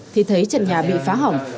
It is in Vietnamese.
thì thấy trận nhà bị phá hỏng